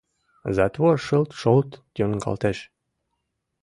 Затвор шылт-шолт йоҥгалтеш.